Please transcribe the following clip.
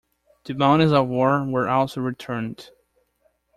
The bounties of war were also returned.